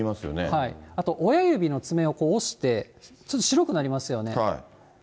あと親指の爪を押して、ちょっと白くなりますよね。